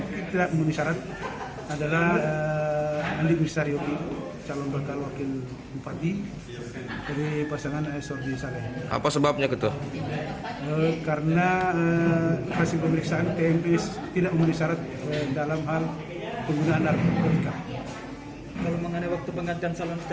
partai partai pengusung itu yang akan mengupakan